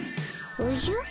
おじゃ？